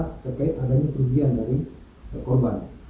terkait adanya kerugian dari korban